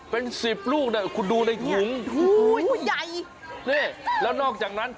เป็น๑๐ลูกนะคุณดูในถุง